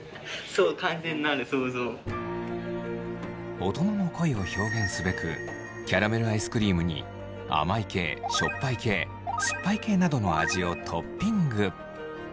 大人の恋を表現すべくキャラメルアイスクリームに甘い系しょっぱい系酸っぱい系などの味をトッピング。